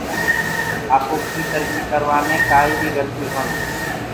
آپو ڪيٚ ترڪيٚ ڪروآ مي ڪآبي گلت ڪونآ هي۔